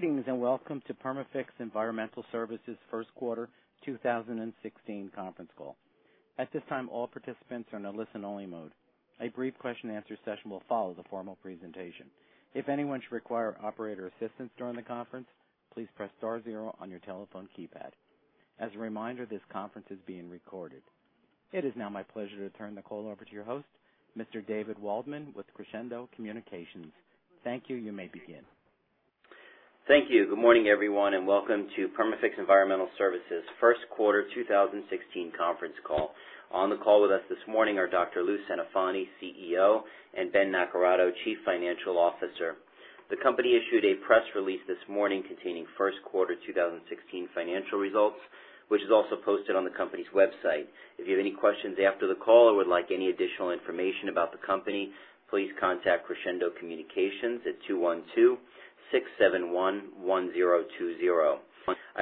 Greetings, welcome to Perma-Fix Environmental Services' first quarter 2016 conference call. At this time, all participants are in a listen-only mode. A brief question and answer session will follow the formal presentation. If anyone should require operator assistance during the conference, please press star zero on your telephone keypad. As a reminder, this conference is being recorded. It is now my pleasure to turn the call over to your host, Mr. David Waldman with Crescendo Communications. Thank you. You may begin. Thank you. Good morning, everyone, welcome to Perma-Fix Environmental Services' first quarter 2016 conference call. On the call with us this morning are Dr. Lou Centofanti, CEO, and Ben Naccarato, Chief Financial Officer. The company issued a press release this morning containing first quarter 2016 financial results, which is also posted on the company's website. If you have any questions after the call or would like any additional information about the company, please contact Crescendo Communications at 212-671-1020. I'd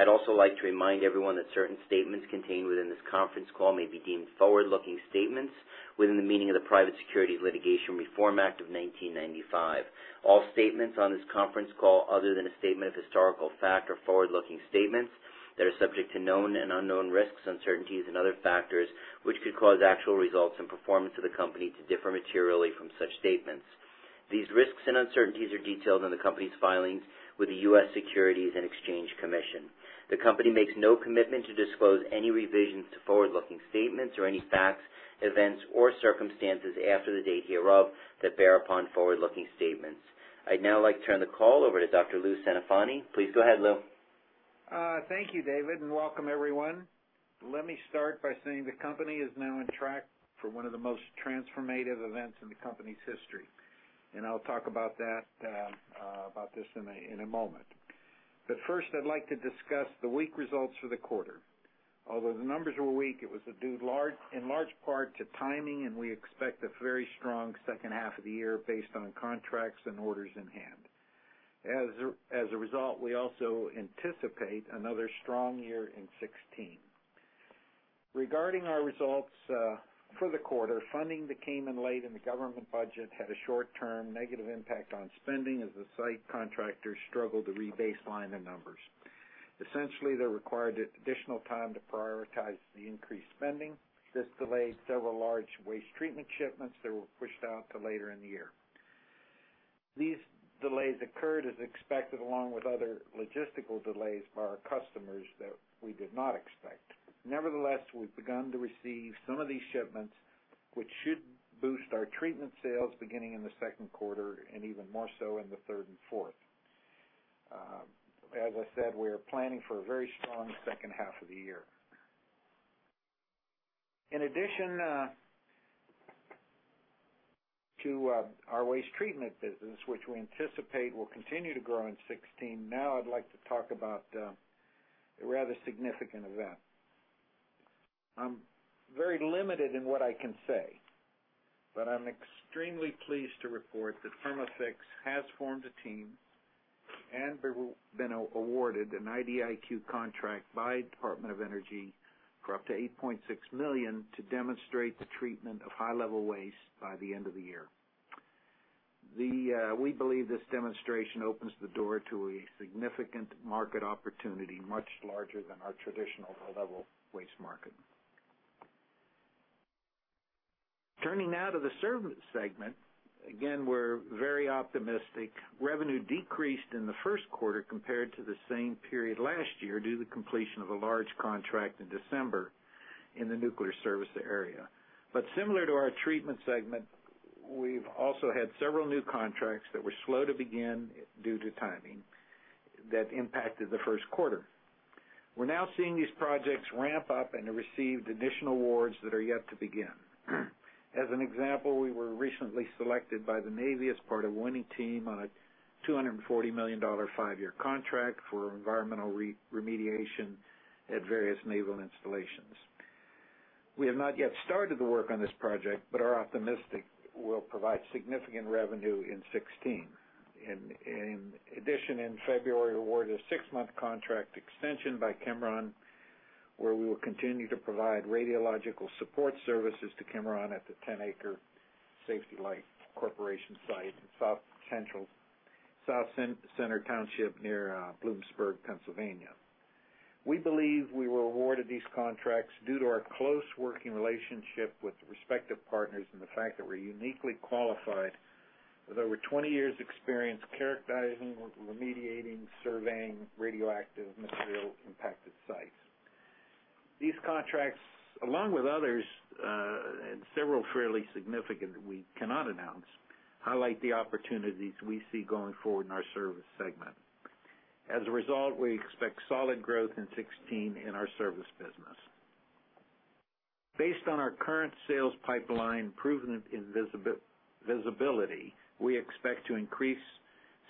also like to remind everyone that certain statements contained within this conference call may be deemed forward-looking statements within the meaning of the Private Securities Litigation Reform Act of 1995. All statements on this conference call, other than a statement of historical fact, are forward-looking statements that are subject to known and unknown risks, uncertainties and other factors which could cause actual results and performance of the company to differ materially from such statements. These risks and uncertainties are detailed in the company's filings with the U.S. Securities and Exchange Commission. The company makes no commitment to disclose any revisions to forward-looking statements or any facts, events, or circumstances after the date hereof that bear upon forward-looking statements. I'd now like to turn the call over to Dr. Lou Centofanti. Please go ahead, Lou. Thank you, David, welcome everyone. Let me start by saying the company is now on track for one of the most transformative events in the company's history, I'll talk about this in a moment. First, I'd like to discuss the weak results for the quarter. Although the numbers were weak, it was due in large part to timing, we expect a very strong second half of the year based on contracts and orders in hand. As a result, we also anticipate another strong year in 2016. Regarding our results for the quarter, funding that came in late in the government budget had a short-term negative impact on spending as the site contractors struggled to re-baseline the numbers. Essentially, they required additional time to prioritize the increased spending. This delayed several large waste treatment shipments that were pushed out to later in the year. These delays occurred as expected, along with other logistical delays by our customers that we did not expect. Nevertheless, we've begun to receive some of these shipments, which should boost our treatment sales beginning in the second quarter, and even more so in the third and fourth. As I said, we are planning for a very strong second half of the year. In addition to our waste treatment business, which we anticipate will continue to grow in 2016, I'd like to talk about a rather significant event. I'm very limited in what I can say, but I'm extremely pleased to report that Perma-Fix has formed a team and been awarded an IDIQ contract by Department of Energy for up to $8.6 million to demonstrate the treatment of high-level waste by the end of the year. We believe this demonstration opens the door to a significant market opportunity, much larger than our traditional low-level waste market. Turning now to the service segment. Again, we're very optimistic. Revenue decreased in the first quarter compared to the same period last year due to the completion of a large contract in December in the nuclear service area. Similar to our treatment segment, we've also had several new contracts that were slow to begin due to timing that impacted the first quarter. We're now seeing these projects ramp up and have received additional awards that are yet to begin. As an example, we were recently selected by the U.S. Navy as part of a winning team on a $240 million five-year contract for environmental remediation at various naval installations. We have not yet started the work on this project but are optimistic we'll provide significant revenue in 2016. In addition, in February, awarded a six-month contract extension by Chevron, where we will continue to provide radiological support services to Chevron at the 10-acre Safety Light Corporation site in South Centre Township near Bloomsburg, Pennsylvania. We believe we were awarded these contracts due to our close working relationship with the respective partners and the fact that we're uniquely qualified with over 20 years experience characterizing, remediating, surveying radioactive material-impacted sites. These contracts, along with others, and several fairly significant we cannot announce, highlight the opportunities we see going forward in our service segment. As a result, we expect solid growth in 2016 in our service business. Based on our current sales pipeline improvement and visibility, we expect to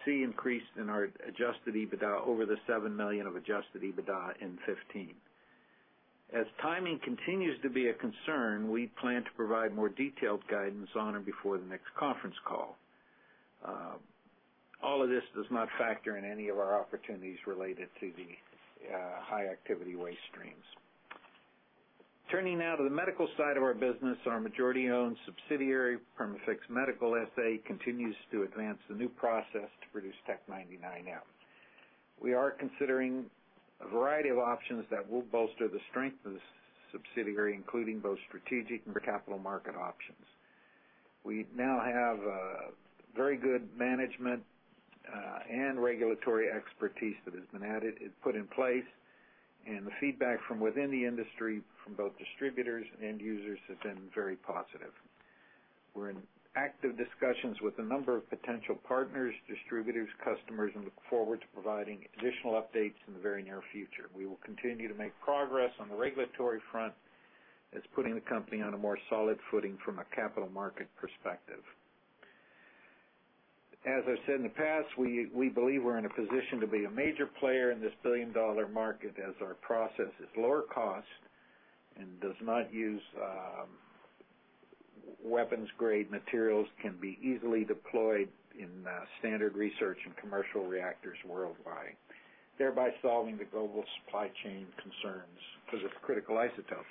see increase in our adjusted EBITDA over the $7 million of adjusted EBITDA in 2015. As timing continues to be a concern, we plan to provide more detailed guidance on or before the next conference call. All of this does not factor in any of our opportunities related to the high-activity waste streams. Turning now to the medical side of our business, our majority-owned subsidiary, Perma-Fix Medical S.A., continues to advance the new process to produce Tc-99m. We are considering a variety of options that will bolster the strength of the subsidiary, including both strategic and capital market options. We now have a very good management and regulatory expertise that has been added and put in place, the feedback from within the industry, from both distributors and end users, has been very positive. We're in active discussions with a number of potential partners, distributors, customers, look forward to providing additional updates in the very near future. We will continue to make progress on the regulatory front that's putting the company on a more solid footing from a capital market perspective. As I've said in the past, we believe we're in a position to be a major player in this billion-dollar market as our process is lower cost and does not use weapons-grade materials, can be easily deployed in standard research and commercial reactors worldwide, thereby solving the global supply chain concerns for this critical isotope.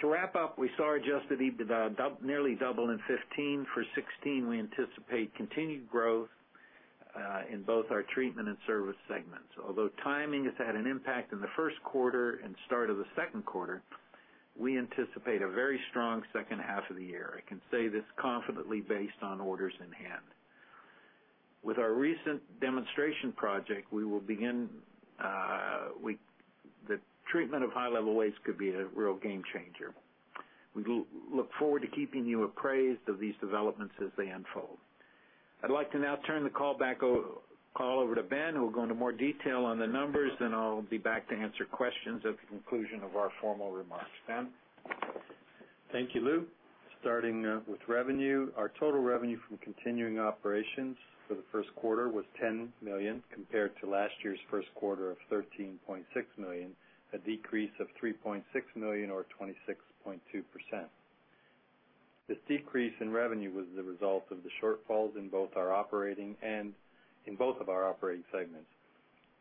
To wrap up, we saw adjusted EBITDA nearly double in 2015. For 2016, we anticipate continued growth in both our treatment and service segments. Although timing has had an impact in the first quarter and start of the second quarter, we anticipate a very strong second half of the year. I can say this confidently based on orders in hand. With our recent demonstration project, the treatment of high-level waste could be a real game changer. We look forward to keeping you appraised of these developments as they unfold. I'd like to now turn the call over to Ben, who will go into more detail on the numbers, then I'll be back to answer questions at the conclusion of our formal remarks. Ben? Thank you, Lou. Starting with revenue, our total revenue from continuing operations for the first quarter was $10 million, compared to last year's first quarter of $13.6 million, a decrease of $3.6 million or 26.2%. This decrease in revenue was the result of the shortfalls in both of our operating segments.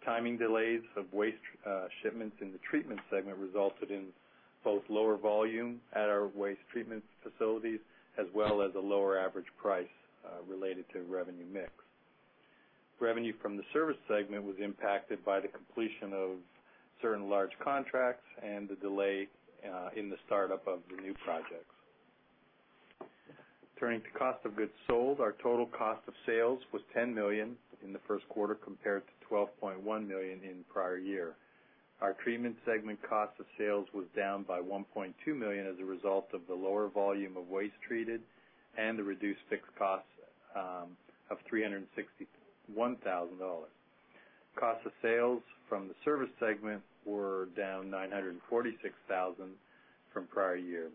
Timing delays of waste shipments in the treatment segment resulted in both lower volume at our waste treatment facilities, as well as a lower average price, related to revenue mix. Revenue from the service segment was impacted by the completion of certain large contracts and the delay in the startup of the new projects. Turning to cost of goods sold, our total cost of sales was $10 million in the first quarter, compared to $12.1 million in prior year. Our treatment segment cost of sales was down by $1.2 million as a result of the lower volume of waste treated and the reduced fixed costs of $361,000. Cost of sales from the service segment were down $946,000 from prior year.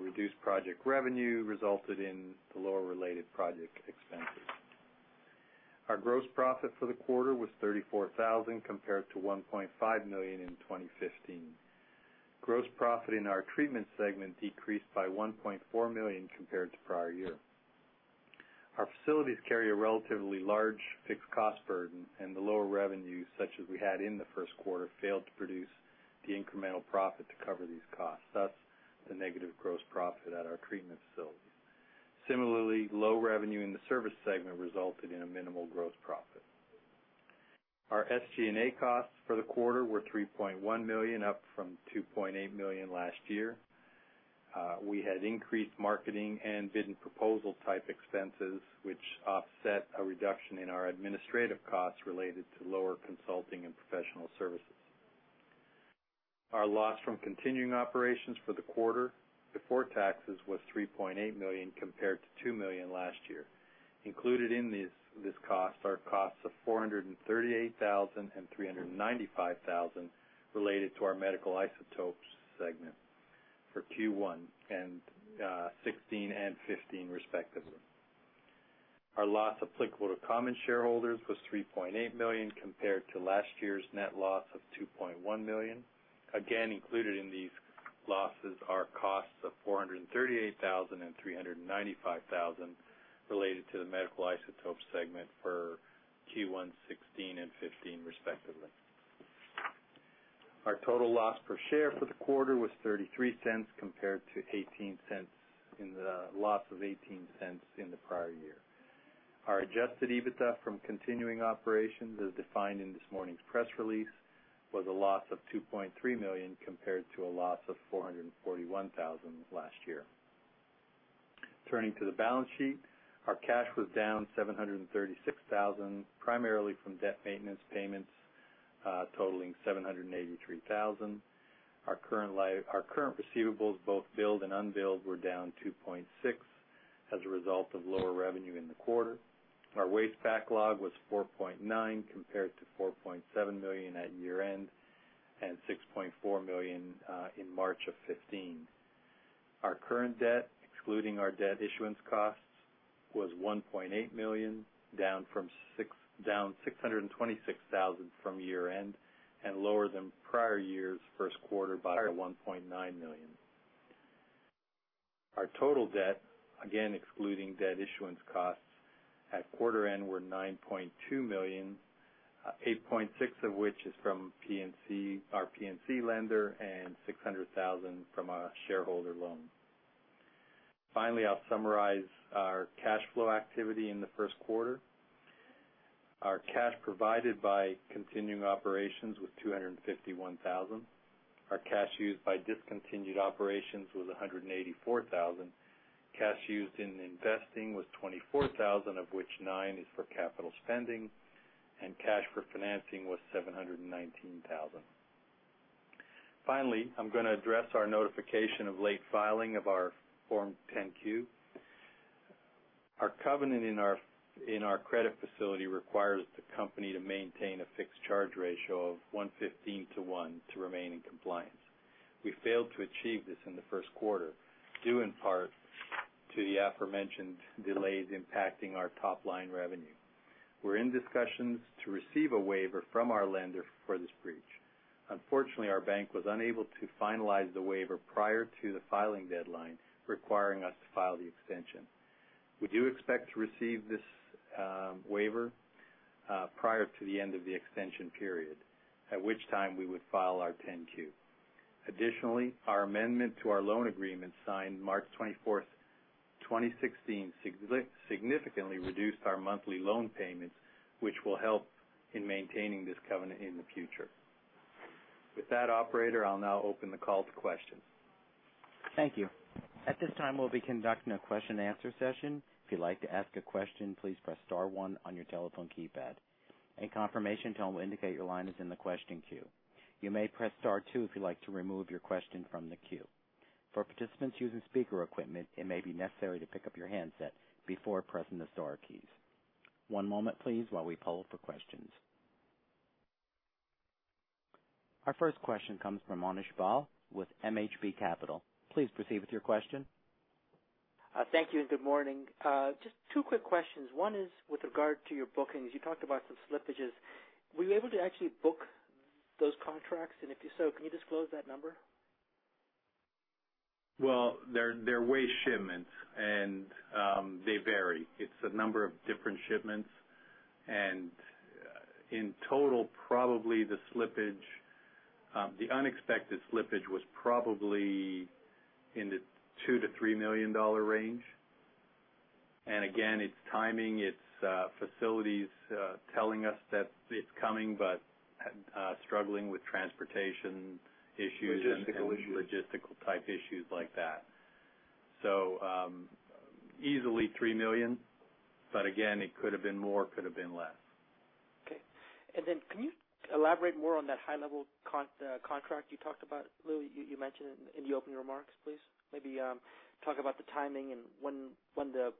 Reduced project revenue resulted in the lower related project expenses. Our gross profit for the quarter was $34,000, compared to $1.5 million in 2015. Gross profit in our treatment segment decreased by $1.4 million compared to prior year. Our facilities carry a relatively large fixed cost burden, and the lower revenues, such as we had in the first quarter, failed to produce the incremental profit to cover these costs, thus the negative gross profit at our treatment facilities. Similarly, low revenue in the service segment resulted in a minimal gross profit. Our SG&A costs for the quarter were $3.1 million, up from $2.8 million last year. We had increased marketing and bid and proposal type expenses, which offset a reduction in our administrative costs related to lower consulting and professional services. Our loss from continuing operations for the quarter before taxes was $3.8 million, compared to $2 million last year. Included in this cost are costs of $438,000 and $395,000 related to our medical isotopes segment for Q1 2016 and 2015 respectively. Our loss applicable to common shareholders was $3.8 million, compared to last year's net loss of $2.1 million. Again, included in these losses are costs of $438,000 and $395,000 related to the medical isotopes segment for Q1 2016 and 2015 respectively. Our total loss per share for the quarter was $0.33 compared to a loss of $0.18 in the prior year. Our adjusted EBITDA from continuing operations, as defined in this morning's press release, was a loss of $2.3 million compared to a loss of $441,000 last year. Turning to the balance sheet, our cash was down $736,000, primarily from debt maintenance payments totaling $783,000. Our current receivables, both billed and unbilled, were down $2.6 million as a result of lower revenue in the quarter. Our waste backlog was $4.9 million compared to $4.7 million at year-end and $6.4 million in March of 2015. Our current debt, excluding our debt issuance costs, was $1.8 million, down $626,000 from year-end and lower than prior year's first quarter by $1.9 million. Our total debt, again excluding debt issuance costs at quarter end, were $9.2 million, $8.6 million of which is from our PNC lender and $600,000 from a shareholder loan. Finally, I'll summarize our cash flow activity in the first quarter. Our cash provided by continuing operations was $251,000. Our cash used by discontinued operations was $184,000. Cash used in investing was $24,000, of which 9 is for capital spending, and cash for financing was $719,000. Finally, I'm going to address our notification of late filing of our Form 10-Q. Our covenant in our credit facility requires the company to maintain a fixed charge ratio of 1.15:1 remain in compliance. We failed to achieve this in the first quarter, due in part to the aforementioned delays impacting our top-line revenue. We're in discussions to receive a waiver from our lender for this breach. Unfortunately, our bank was unable to finalize the waiver prior to the filing deadline, requiring us to file the extension. We do expect to receive this waiver prior to the end of the extension period, at which time we would file our 10-Q. Additionally, our amendment to our loan agreement signed March 24th, 2016, significantly reduced our monthly loan payments, which will help in maintaining this covenant in the future. With that, operator, I'll now open the call to questions. Thank you. At this time, we will be conducting a question and answer session. If you would like to ask a question, please press star one on your telephone keypad. A confirmation tone will indicate your line is in the question queue. You may press star two if you would like to remove your question from the queue. For participants using speaker equipment, it may be necessary to pick up your handset before pressing the star keys. One moment, please, while we poll for questions. Our first question comes from Anish Bhall with MHB Capital. Please proceed with your question. Thank you and good morning. Just two quick questions. One is with regard to your bookings. You talked about some slippages. Were you able to actually book those contracts? If so, can you disclose that number? Well, they are waste shipments, they vary. It is a number of different shipments, in total, probably the unexpected slippage was probably in the $2 million-$3 million range. Again, it is timing, it is facilities telling us that it is coming, struggling with transportation issues. Logistical issues. Logistical type issues like that. Easily $3 million, but again, it could've been more, could've been less. Okay. Can you elaborate more on that high-level contract you talked about, Lou, you mentioned in the opening remarks, please? Maybe talk about the timing and when the-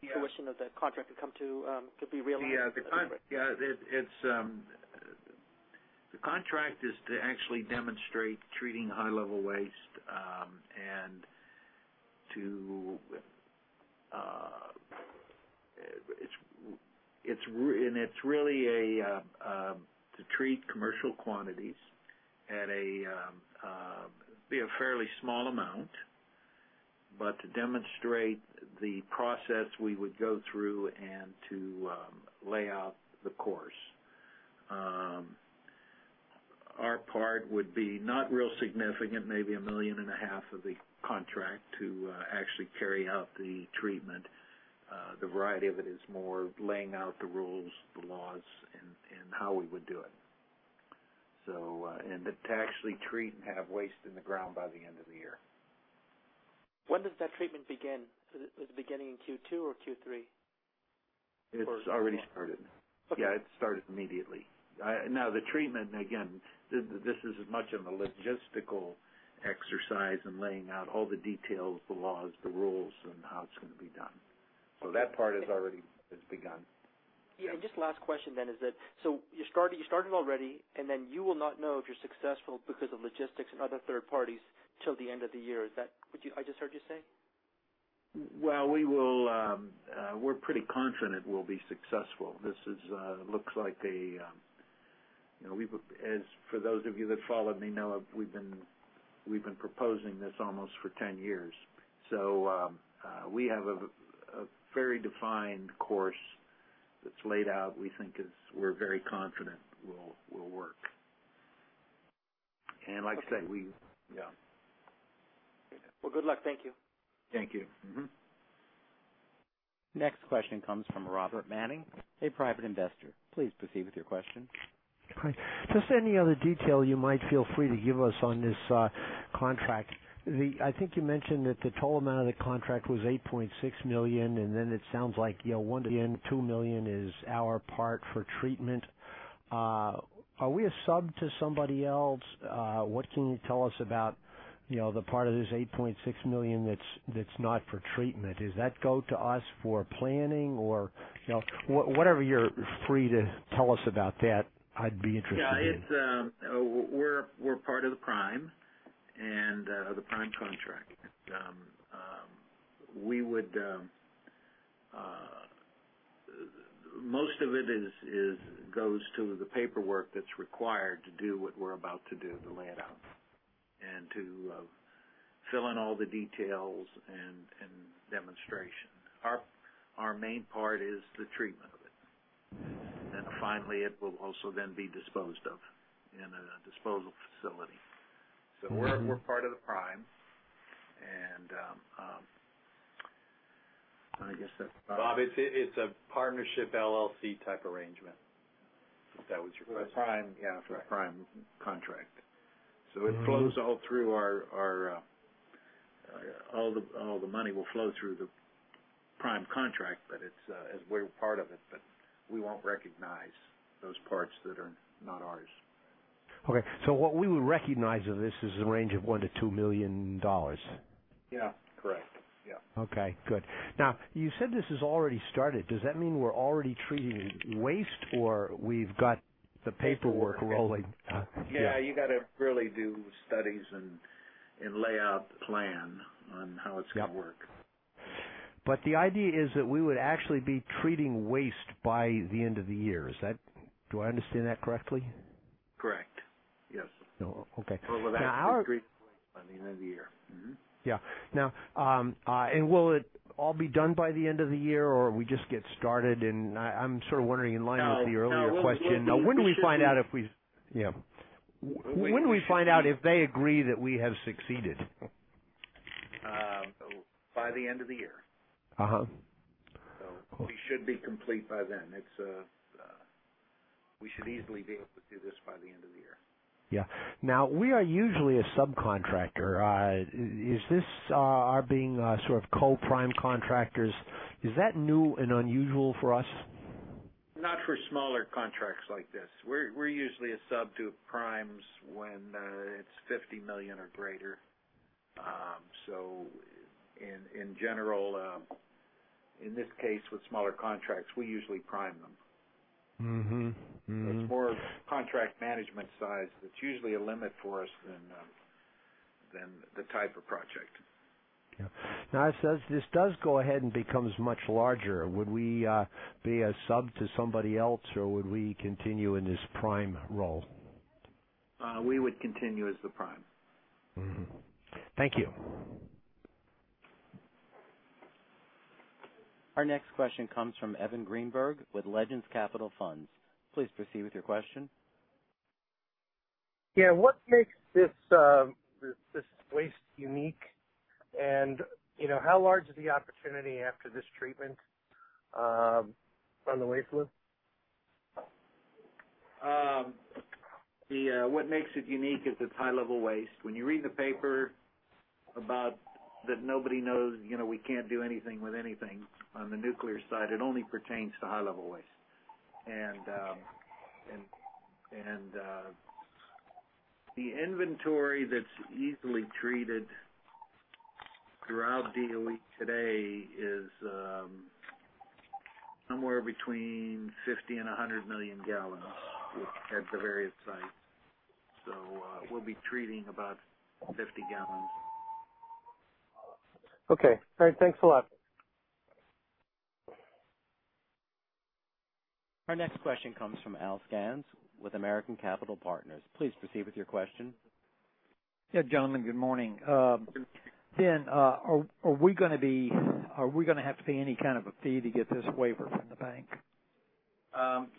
Yes Fruition of the contract could be realized. Yeah. The contract is to actually demonstrate treating high-level waste. It's really to treat commercial quantities at a fairly small amount, but to demonstrate the process we would go through and to lay out the course. Our part would be not real significant, maybe a million and a half of the contract to actually carry out the treatment. The variety of it is more laying out the rules, the laws, and how we would do it. To actually treat and have waste in the ground by the end of the year. When does that treatment begin? Is it beginning in Q2 or Q3? It's already started. Okay. Yeah, it started immediately. The treatment, again, this is as much of a logistical exercise in laying out all the details, the laws, the rules, and how it's going to be done. That part has already begun. Yeah. Just last question then is that, you're starting already, you will not know if you're successful because of logistics and other third parties till the end of the year. Is that what I just heard you say? Well, we're pretty confident we'll be successful. For those of you that follow me know we've been proposing this almost for 10 years. We have a very defined course that's laid out we're very confident will work. Like I said, we. Well, good luck. Thank you. Thank you. Next question comes from Robert Manning, a private investor. Please proceed with your question. Hi. Just any other detail you might feel free to give us on this contract. I think you mentioned that the total amount of the contract was $8.6 million, then it sounds like $1 million-$2 million is our part for treatment. Are we a sub to somebody else? What can you tell us about the part of this $8.6 million that's not for treatment? Does that go to us for planning? Whatever you're free to tell us about that, I'd be interested in. Yeah. We're part of the prime contract. Most of it goes to the paperwork that's required to do what we're about to do, the layout, and to fill in all the details and demonstration. Our main part is the treatment of it. Finally, it will also then be disposed of in a disposal facility. We're part of the prime. Bob, it's a partnership LLC type arrangement, if that was your question. With a prime. Yeah. Right. With a prime contract. All the money will flow through the prime contract, but we're part of it, but we won't recognize those parts that are not ours. Okay. What we would recognize of this is the range of $1 million-$2 million. Yeah. Correct. Yeah. Okay. Good. Now, you said this has already started. Does that mean we're already treating waste, or we've got the paperwork rolling? Yeah, you got to really do studies and lay out the plan on how it's going to work. The idea is that we would actually be treating waste by the end of the year. Do I understand that correctly? Correct. Yes. Okay. We'll have it treated by the end of the year. Mm-hmm. Yeah. Now, will it all be done by the end of the year, or we just get started and I'm sort of wondering in line with the earlier question. Now, when do we find out if they agree that we have succeeded? By the end of the year. We should be complete by then. We should easily be able to do this by the end of the year. Yeah. Now, we are usually a subcontractor. Is this, our being sort of co-prime contractors, is that new and unusual for us? Not for smaller contracts like this. We're usually a sub to primes when it's $50 million or greater. In general, in this case, with smaller contracts, we usually prime them. It's more contract management size that's usually a limit for us than the type of project. Yeah. As this does go ahead and becomes much larger, would we be a sub to somebody else, or would we continue in this prime role? We would continue as the prime. Mm-hmm. Thank you. Our next question comes from Evan Greenberg with Legends Capital Funds. Please proceed with your question. Yeah. What makes this waste unique, and how large is the opportunity after this treatment on the waste load? What makes it unique is it's high-level waste. When you read the paper about that nobody knows, we can't do anything with anything on the nuclear side, it only pertains to high-level waste. The inventory that's easily treated throughout DOE today is somewhere between 50 and 100 million gallons at the various sites. We'll be treating about 50 gallons. Okay. All right. Thanks a lot. Our next question comes from Al Scanz with American Capital Partners. Please proceed with your question. Yeah, gentlemen, good morning. Ben, are we going to have to pay any kind of a fee to get this waiver from the bank?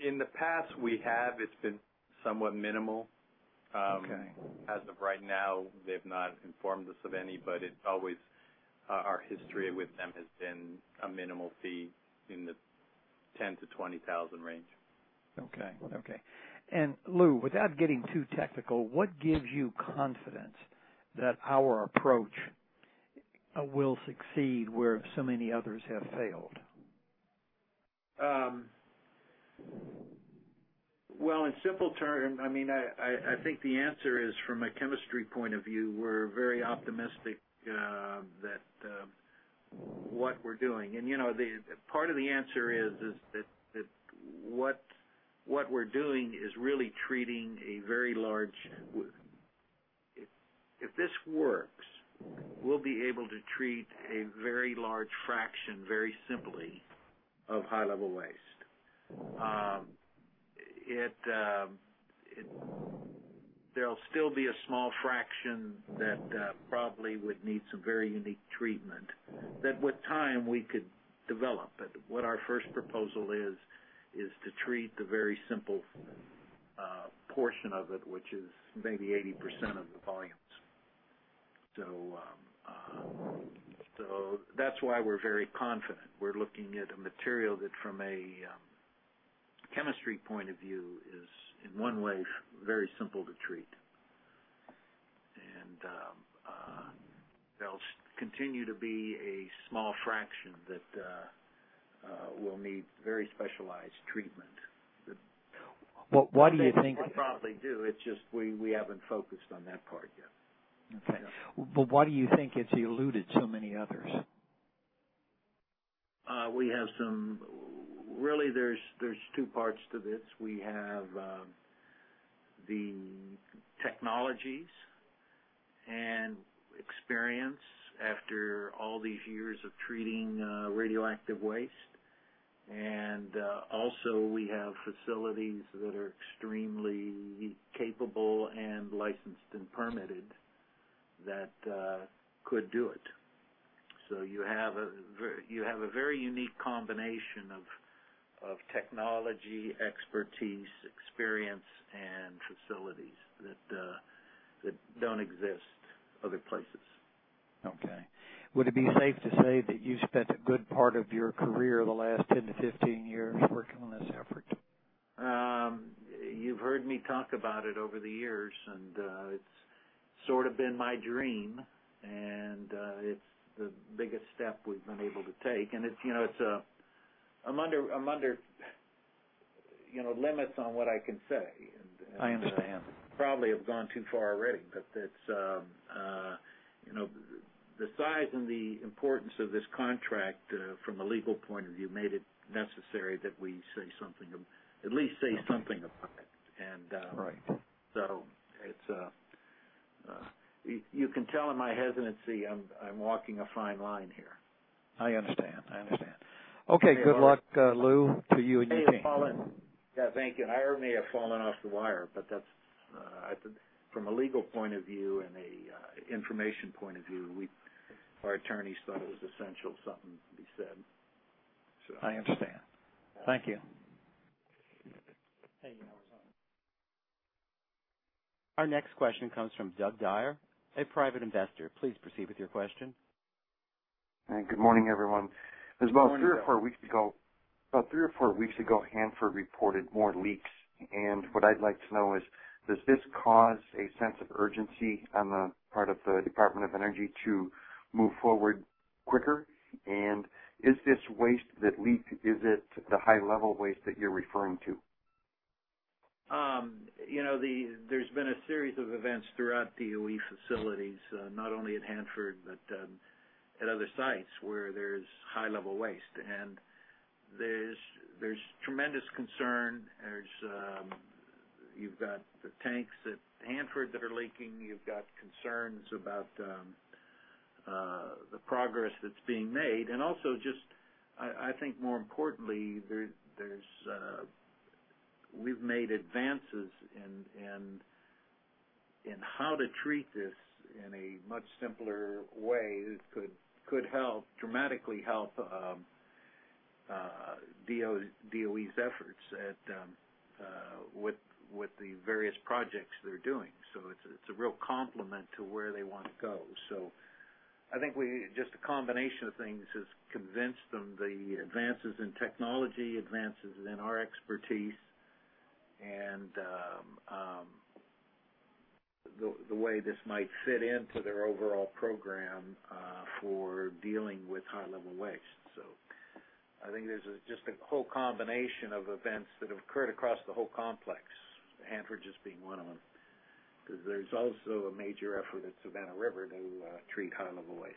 In the past, we have. It's been somewhat minimal. Okay. As of right now, they've not informed us of any, but our history with them has been a minimal fee in the $10,000-$20,000 range. Okay. Lou, without getting too technical, what gives you confidence that our approach will succeed where so many others have failed? Well, in simple terms, I think the answer is, from a chemistry point of view, we're very optimistic that what we're doing. Part of the answer is that what we're doing is really treating a very large, if this works, we'll be able to treat a very large fraction, very simply, of high-level waste. There'll still be a small fraction that probably would need some very unique treatment that with time we could develop. What our first proposal is to treat the very simple portion of it, which is maybe 80% of the volumes. That's why we're very confident. We're looking at a material that from a chemistry point of view is, in one way, very simple to treat. There'll continue to be a small fraction that will need very specialized treatment. Why do you think- They probably do. It's just we haven't focused on that part yet. Okay. Why do you think it's eluded so many others? Really there's two parts to this. We have the technologies and experience after all these years of treating radioactive waste, and also we have facilities that are extremely capable and licensed and permitted that could do it. You have a very unique combination of technology, expertise, experience, and facilities that don't exist other places. Okay. Would it be safe to say that you've spent a good part of your career, the last 10 to 15 years, working on this effort? You've heard me talk about it over the years, and it's sort of been my dream, and it's the biggest step we've been able to take. I'm under limits on what I can say. I understand. I probably have gone too far already, but the size and the importance of this contract, from a legal point of view, made it necessary that we at least say something about it. Right. You can tell in my hesitancy, I'm walking a fine line here. I understand. Okay. Good luck, Lou, to you and your team. Hey, Al. Yeah, thank you. I may have fallen off the wire, from a legal point of view and a information point of view, our attorneys thought it was essential something be said. I understand. Thank you. Hey, how are you? Our next question comes from Doug Dyer, a private investor. Please proceed with your question. Good morning, everyone. Good morning, Doug. About three or four weeks ago, Hanford reported more leaks. What I'd like to know is, does this cause a sense of urgency on the part of the Department of Energy to move forward quicker? Is this waste that leaked, is it the high-level waste that you're referring to? There's been a series of events throughout DOE facilities, not only at Hanford, but at other sites where there's high-level waste. There's tremendous concern. You've got the tanks at Hanford that are leaking. You've got concerns about the progress that's being made, and also just, I think more importantly, we've made advances in how to treat this in a much simpler way that could dramatically help DOE's efforts with the various projects they're doing. It's a real complement to where they want to go. I think, just a combination of things has convinced them, the advances in technology, advances in our expertise, and the way this might fit into their overall program for dealing with high-level waste. I think there's just a whole combination of events that have occurred across the whole complex, Hanford just being one of them, because there's also a major effort at Savannah River to treat high-level waste.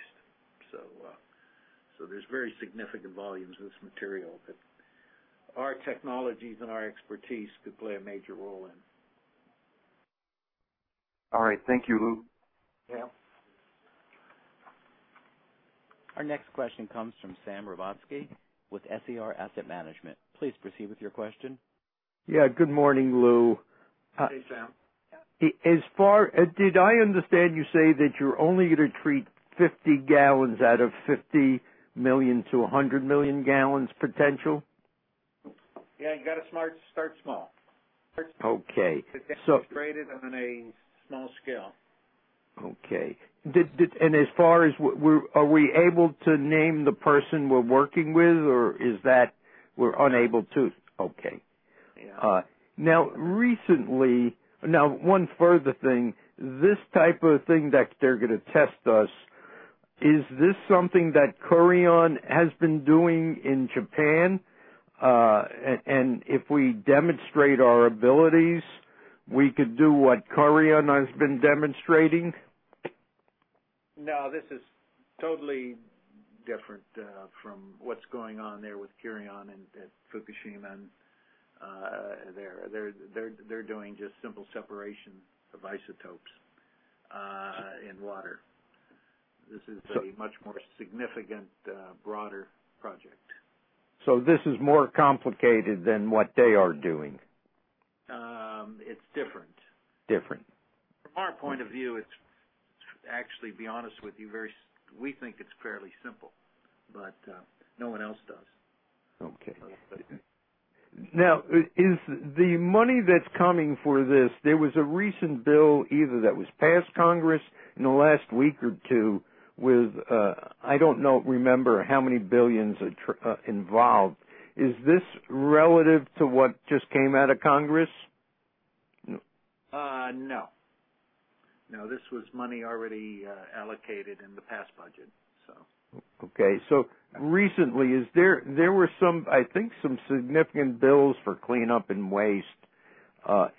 There's very significant volumes of this material that our technologies and our expertise could play a major role in. All right. Thank you, Lou. Yeah. Our next question comes from Sam Rubatsky with SER Asset Management. Please proceed with your question. Good morning, Lou. Hey, Sam. Did I understand you say that you're only going to treat 50 gallons out of 50 million-100 million gallons potential? Yeah, you've got to start small. Okay. The demo's graded on a small scale. Okay. Are we able to name the person we're working with, or we're unable to? Okay. Yeah. One further thing. This type of thing that they're going to test us, is this something that Kurion has been doing in Japan? If we demonstrate our abilities, we could do what Kurion has been demonstrating? No, this is totally different from what's going on there with Kurion at Fukushima. They're doing just simple separation of isotopes in water. This is a much more significant, broader project. This is more complicated than what they are doing. It's different. Different. From our point of view, to actually be honest with you, we think it's fairly simple, but no one else does. Okay. Now, the money that's coming for this, there was a recent bill either that was passed Congress in the last week or two with, I don't remember how many billions involved. Is this relative to what just came out of Congress? No. This was money already allocated in the past budget. Okay. Recently, there were, I think, some significant bills for cleanup and waste.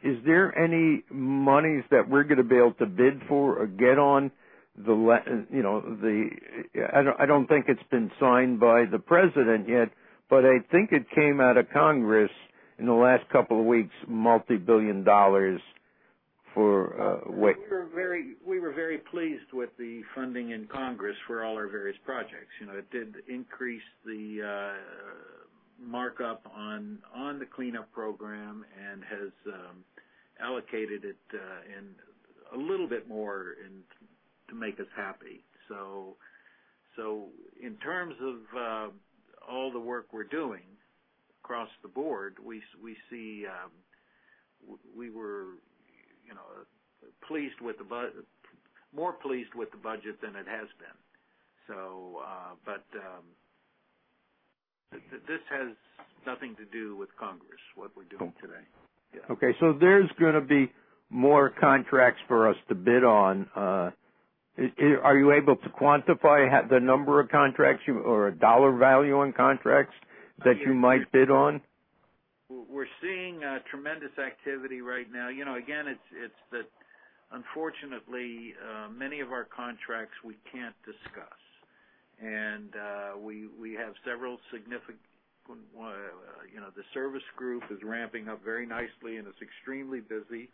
Is there any monies that we're going to be able to bid for or get on? I don't think it's been signed by the President yet, but I think it came out of Congress in the last couple of weeks, multi-billion dollars for what? We were very pleased with the funding in Congress for all our various projects. It did increase the markup on the cleanup program and has allocated it a little bit more to make us happy. In terms of all the work we're doing across the board, we were more pleased with the budget than it has been. This has nothing to do with Congress, what we're doing today. Okay. There's going to be more contracts for us to bid on. Are you able to quantify the number of contracts or a dollar value on contracts that you might bid on? We're seeing tremendous activity right now. Again, unfortunately, many of our contracts we can't discuss. The service group is ramping up very nicely, and it's extremely busy.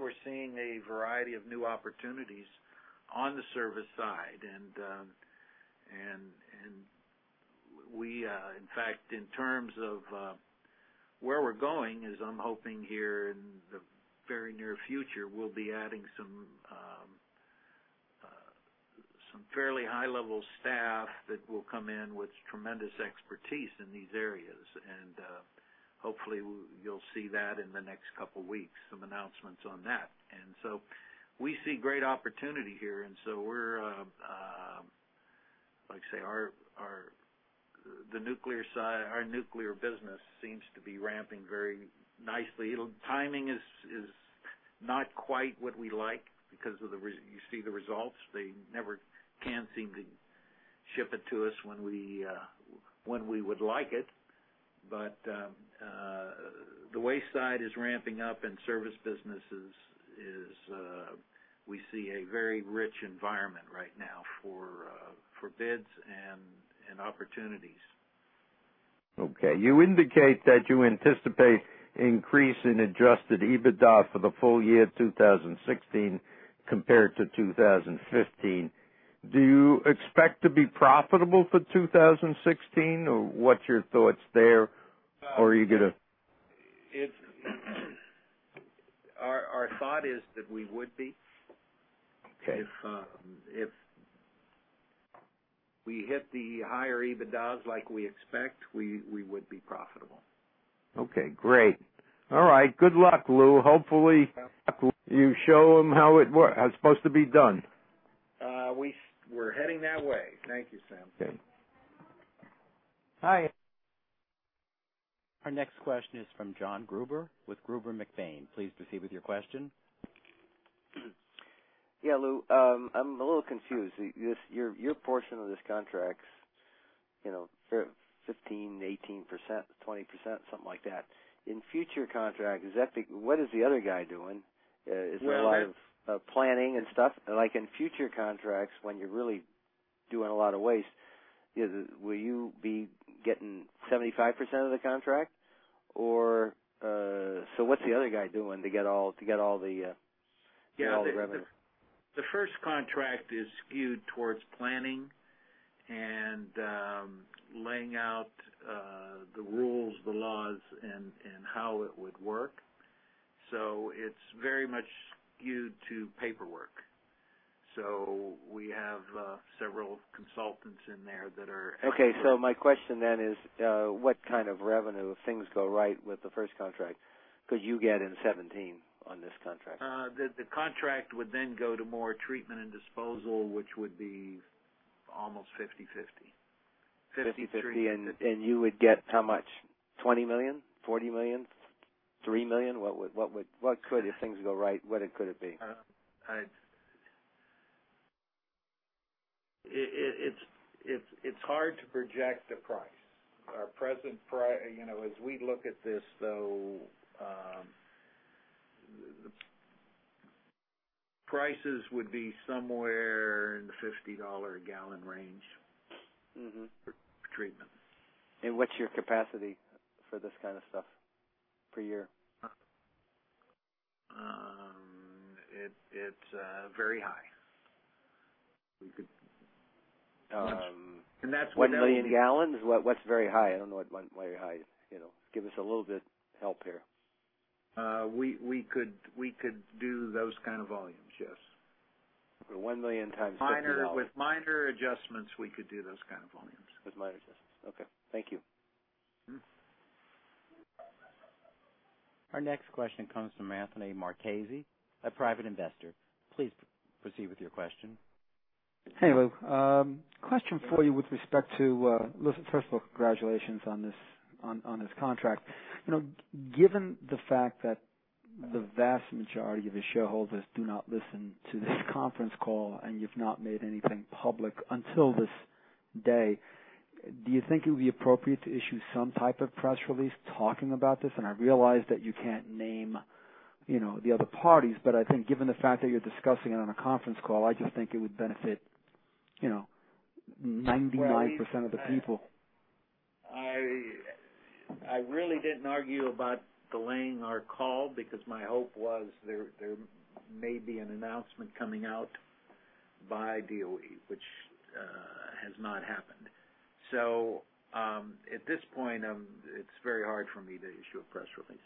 We're seeing a variety of new opportunities on the service side. We, in fact, in terms of where we're going, as I'm hoping here in the very near future, we'll be adding some fairly high-level staff that will come in with tremendous expertise in these areas. Hopefully, you'll see that in the next couple of weeks, some announcements on that. We see great opportunity here. Like I say, our nuclear business seems to be ramping very nicely. Timing is not quite what we like, because you see the results. They never can seem to ship it to us when we would like it. The waste side is ramping up, and service business is. We see a very rich environment right now for bids and opportunities. Okay. You indicate that you anticipate increase in adjusted EBITDA for the full year 2016 compared to 2015. Do you expect to be profitable for 2016, or what's your thoughts there? Our thought is that we would be. Okay. If we hit the higher EBITDAs like we expect, we would be profitable. Okay, great. All right. Good luck, Lou. Hopefully, you show them how it's supposed to be done. We're heading that way. Thank you, Sam. Okay. Hi. Our next question is from Jon Gruber with Gruber & McBaine. Please proceed with your question. Yeah, Lou. I'm a little confused. Your portion of this contract's 15%, 18%, 20%, something like that. In future contracts, what is the other guy doing? Well- Is there a lot of planning and stuff? Like in future contracts, when you're really doing a lot of waste, will you be getting 75% of the contract, or what's the other guy doing to get all the revenue? The first contract is skewed towards planning and laying out the rules, the laws, and how it would work. It's very much skewed to paperwork. We have several consultants in there. My question then is, what kind of revenue, if things go right with the first contract, could you get in 2017 on this contract? The contract would then go to more treatment and disposal, which would be almost 50/50. 50/50, you would get how much? $20 million? $40 million? $3 million? If things go right, what could it be? It's hard to project a price. As we look at this, though, prices would be somewhere in the $50 a gallon range for treatment. What's your capacity for this kind of stuff per year? It's very high. 1 million gallons? What's very high? I don't know what very high is. Give us a little bit help here. We could do those kind of volumes, yes. 1 million times $50. With minor adjustments, we could do those kind of volumes. With minor adjustments. Okay. Thank you. Our next question comes from Anthony Marchese, a private investor. Please proceed with your question. Hey, Lou. Question for you with respect to-- Congratulations on this contract. Given the fact that the vast majority of the shareholders do not listen to this conference call, and you've not made anything public until this day, do you think it would be appropriate to issue some type of press release talking about this? I realize that you can't name the other parties, but I think given the fact that you're discussing it on a conference call, I just think it would benefit 99% of the people. I really didn't argue about delaying our call because my hope was there may be an announcement coming out by DOE, which has not happened. At this point, it's very hard for me to issue a press release.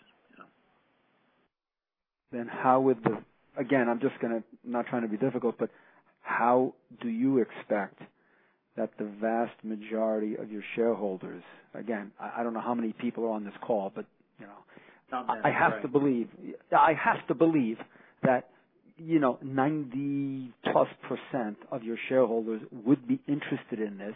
Again, I'm not trying to be difficult, how do you expect that the vast majority of your shareholders, again, I don't know how many people are on this call? Not many. I have to believe that 90-plus % of your shareholders would be interested in this.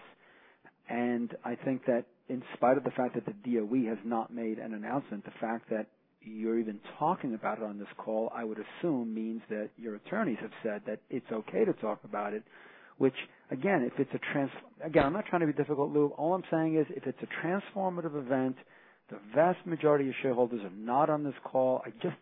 I think that in spite of the fact that the DOE has not made an announcement, the fact that you're even talking about it on this call, I would assume, means that your attorneys have said that it's okay to talk about it. Again, I'm not trying to be difficult, Lou, all I'm saying is if it's a transformative event, the vast majority of shareholders are not on this call. It's a good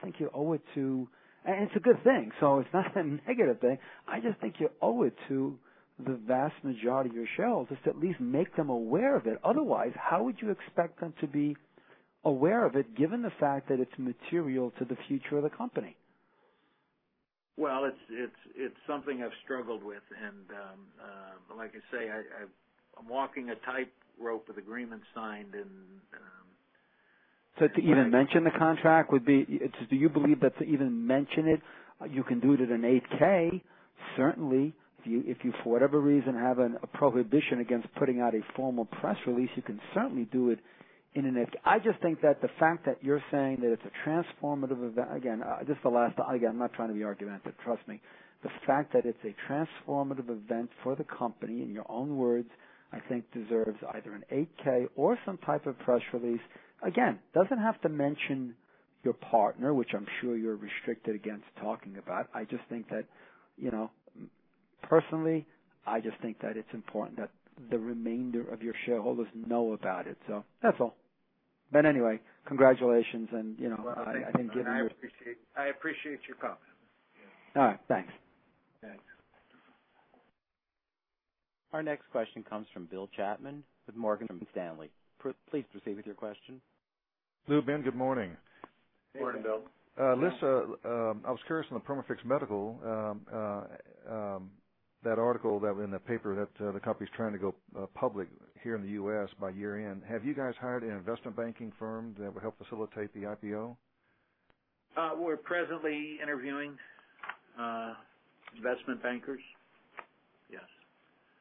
thing, it's not a negative thing. I just think you owe it to the vast majority of your shareholders to at least make them aware of it. Otherwise, how would you expect them to be aware of it, given the fact that it's material to the future of the company? Well, it's something I've struggled with and, like I say, I'm walking a tightrope with agreements signed. To even mention the contract would be Do you believe that to even mention it, you can do it at an 8-K, certainly. If you, for whatever reason, have a prohibition against putting out a formal press release, you can certainly do it. I just think that the fact that you're saying that it's a transformative event, again, I'm not trying to be argumentative, trust me. The fact that it's a transformative event for the company, in your own words, I think deserves either an 8-K or some type of press release. Again, doesn't have to mention your partner, which I'm sure you're restricted against talking about. Personally, I just think that it's important that the remainder of your shareholders know about it. That's all. Anyway, congratulations, and I think given your- I appreciate your comment. Yeah. All right. Thanks. Thanks. Our next question comes from Bill Chapman with Morgan Stanley. Please proceed with your question. Lou, Ben, good morning. Morning, Bill. Listen, I was curious on the Perma-Fix Medical, that article that was in the paper that the company's trying to go public here in the U.S. by year-end. Have you guys hired an investment banking firm that would help facilitate the IPO? We're presently interviewing investment bankers.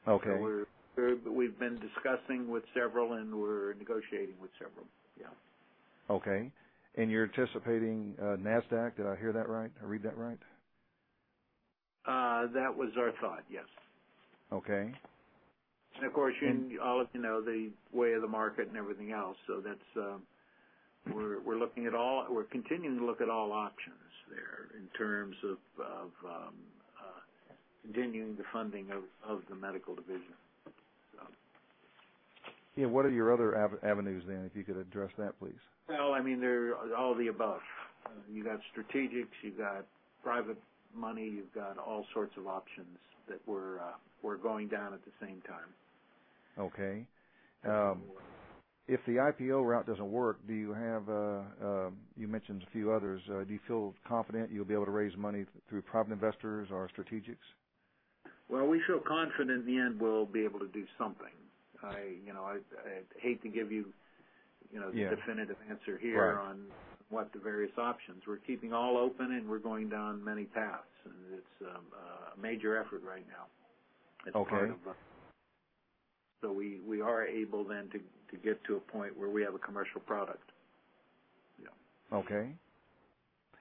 Yes. Okay. We've been discussing with several, and we're negotiating with several. Yeah. Okay. You're anticipating NASDAQ. Did I hear that right, or read that right? That was our thought, yes. Okay. Of course, all of the way of the market and everything else. We're continuing to look at all options there in terms of continuing the funding of the medical division. Yeah, what are your other avenues then, if you could address that, please? Well, they're all the above. You've got strategics, you've got private money. You've got all sorts of options that we're going down at the same time. Okay. If the IPO route doesn't work, you mentioned a few others. Do you feel confident you'll be able to raise money through private investors or strategics? Well, we feel confident in the end we'll be able to do something. I hate to give you the definitive answer here. Right on what the various options. We're keeping all open, and we're going down many paths, and it's a major effort right now. Okay. We are able then to get to a point where we have a commercial product. Yeah. Okay.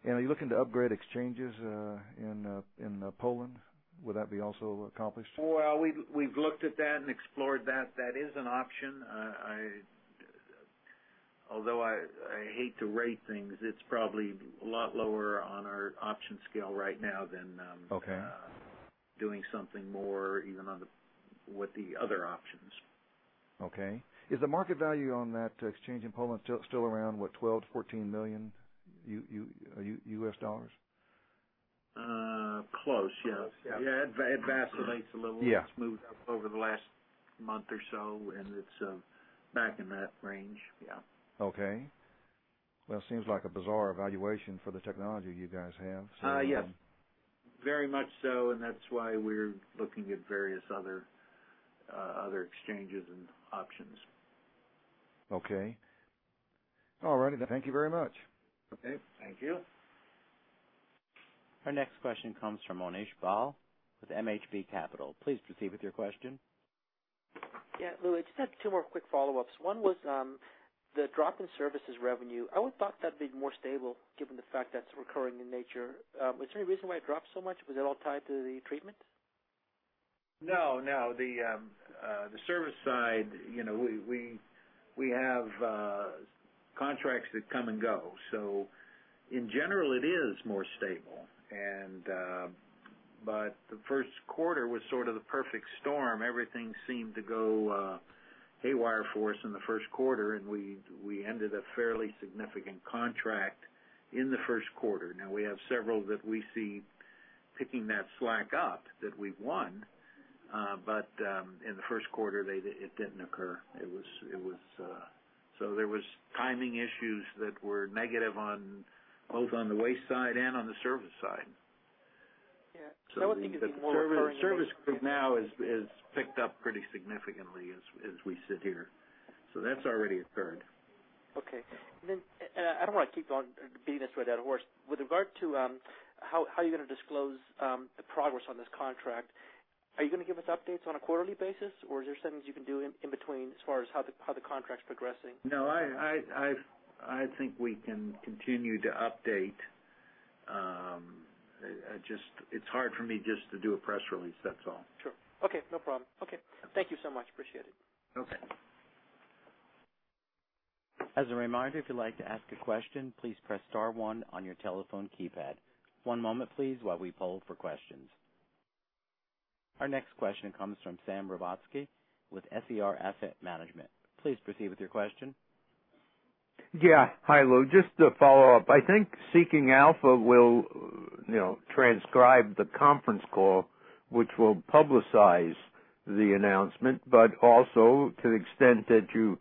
Are you looking to upgrade exchanges in Poland? Would that be also accomplished? Well, we've looked at that and explored that. That is an option. Although I hate to rate things, it's probably a lot lower on our options scale right now than. Okay doing something more even with the other options. Okay. Is the market value on that exchange in Poland still around, what, $12 million-$14 million? Close, yes. Close, yeah. Yeah, it vacillates a little. Yeah. It's moved up over the last month or so, and it's back in that range. Yeah. Okay. Well, it seems like a bizarre evaluation for the technology you guys have. Yes. Very much so. That's why we're looking at various other exchanges and options. Okay. All righty then. Thank you very much. Okay. Thank you. Our next question comes from Mohnish Paul with MHB Capital. Please proceed with your question. Yeah. Lou, I just had two more quick follow-ups. One was the drop in services revenue. I would've thought that'd be more stable given the fact that's recurring in nature. Was there any reason why it dropped so much? Was it all tied to the treatment? No. The service side, we have contracts that come and go. In general, it is more stable. The first quarter was sort of the perfect storm. Everything seemed to go haywire for us in the first quarter, and we ended a fairly significant contract in the first quarter. We have several that we see Picking that slack up that we've won. In the first quarter, it didn't occur. There was timing issues that were negative on both on the waste side and on the service side. Yeah. I would think. The service group now has picked up pretty significantly as we sit here. That's already occurred. Okay. I don't want to keep beating this dead horse. With regard to how you're going to disclose the progress on this contract, are you going to give us updates on a quarterly basis, or is there something you can do in between as far as how the contract's progressing? No, I think we can continue to update. It's hard for me just to do a press release, that's all. Sure. Okay, no problem. Okay. Thank you so much. Appreciate it. Okay. As a reminder, if you'd like to ask a question, please press star one on your telephone keypad. One moment, please, while we poll for questions. Our next question comes from Sam Rubatsky with SER Asset Management. Please proceed with your question. Yeah. Hi, Lou. Just to follow up, I think Seeking Alpha will transcribe the conference call, which will publicize the announcement. Also to the extent that you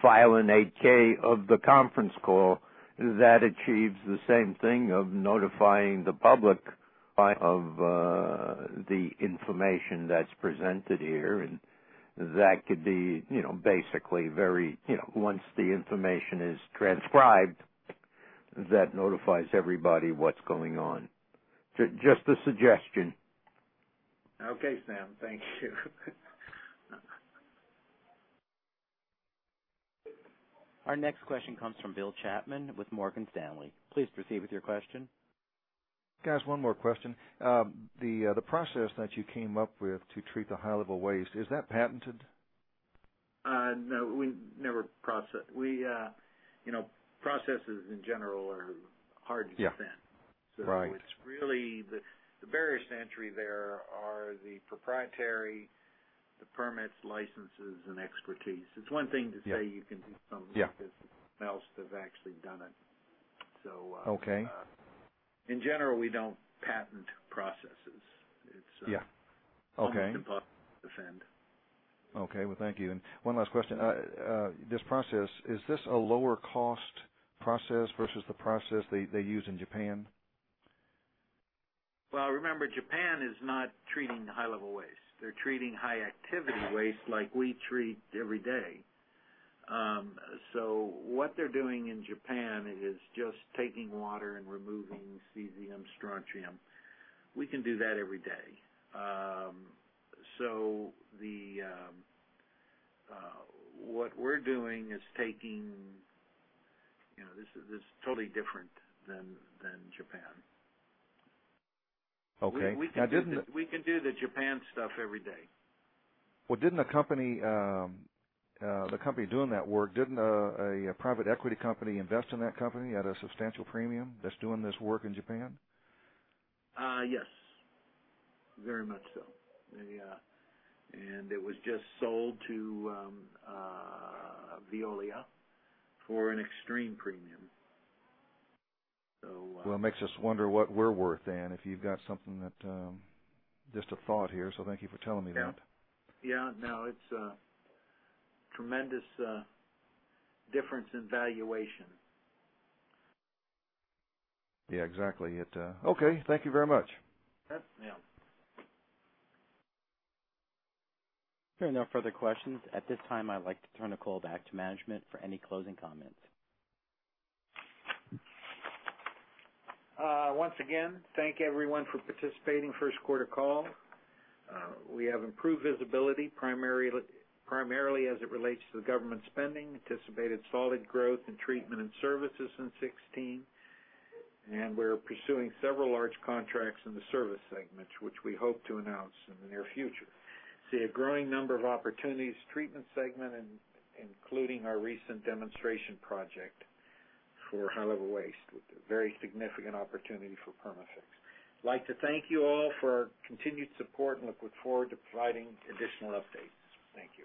file an 8-K of the conference call, that achieves the same thing of notifying the public of the information that's presented here. Once the information is transcribed, that notifies everybody what's going on. Just a suggestion. Okay, Sam, thank you. Our next question comes from Bill Chapman with Morgan Stanley. Please proceed with your question. Guys, one more question. The process that you came up with to treat the high-level waste, is that patented? No. Processes, in general, are hard to defend. Yeah. Right. It's really the barriers to entry there are the proprietary, the permits, licenses, and expertise. It's one thing to say you can do. Yeah like this, someone else has actually done it. Okay. In general, we don't patent processes. Yeah. Okay. It's almost impossible to defend. Well, thank you. One last question. This process, is this a lower cost process versus the process they use in Japan? Well, remember, Japan is not treating high-level waste. They're treating high-activity waste like we treat every day. What they're doing in Japan is just taking water and removing cesium, strontium. We can do that every day. This is totally different than Japan. Okay. Now, We can do the Japan stuff every day. Well, didn't the company doing that work, didn't a private equity company invest in that company at a substantial premium that's doing this work in Japan? Yes. Very much so. It was just sold to Veolia for an extreme premium. Well, it makes us wonder what we're worth, then. Just a thought here, so thank you for telling me that. Yeah. No, it's a tremendous difference in valuation. Yeah, exactly. Okay, thank you very much. Yeah. There are no further questions. At this time, I'd like to turn the call back to management for any closing comments. Once again, thank you, everyone, for participating first quarter call. We have improved visibility, primarily as it relates to the government spending, anticipated solid growth in treatment and services in 2016. We're pursuing several large contracts in the service segment, which we hope to announce in the near future. We see a growing number of opportunities, treatment segment, including our recent demonstration project for high-level waste with a very significant opportunity for Perma-Fix. I'd like to thank you all for your continued support and look forward to providing additional updates. Thank you.